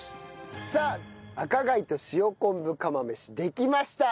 さあ赤貝と塩昆布釜飯できました。